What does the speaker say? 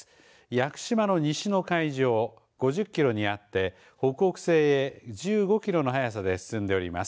屋久島の西の海上５０キロにあって北北西へ１５キロの速さで進んでおります。